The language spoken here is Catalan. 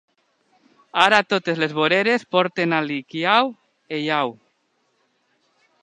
Ara totes les voreres porten a l'Hikiau Heiau.